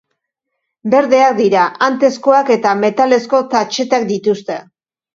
Berdeak dira, antezkoak eta metalezko tatxetak dituzte.